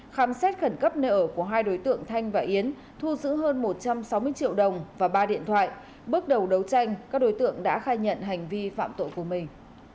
khám xét khẩn cấp nơi ở của hai đối tượng thanh và yến thu giữ hơn một trăm sáu mươi triệu đồng và ba điện thoại bước đầu đấu tranh các đối tượng đã khai nhận hành vi phạm tội của mình